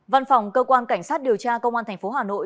văn phòng cơ quan cảnh sát điều tra công an thành phố hà nội